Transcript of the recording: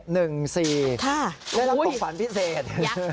ค่ะโอ๊ยได้ลำปกฝันพิเศษ